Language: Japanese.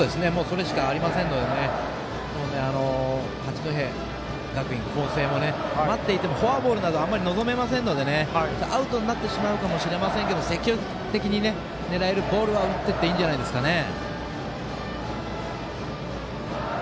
それしかありませんので八戸学院光星も待っていてもフォアボールなどあまり望めませんのでアウトになってしまうかもしれませんけど、積極的に狙えるボールは打っていっていいんじゃないですかね。